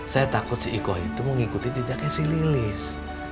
saya takut si iko itu mengikuti jejaknya si lilis